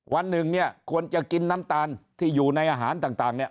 วันหนึ่งเนี่ยควรจะกินน้ำตาลที่อยู่ในอาหารต่างเนี่ย